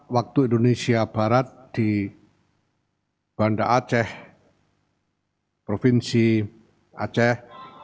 waktu indonesia barat di banda aceh provinsi aceh